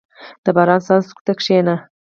• د باران څاڅکو ته کښېنه.